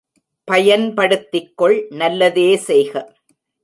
பயன்படுத்திக்கொள் நல்லதே செய்க.